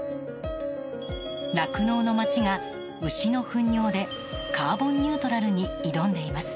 酪農の町が、牛の糞尿でカーボンニュートラルに挑んでいます。